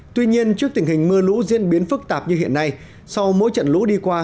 tuy nhiên trước tình hình mưa lũ diễn biến phức tạp như hiện nay sau mỗi trận lũ đi qua